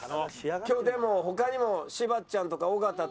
今日でも他にも柴っちゃんとか尾形とかね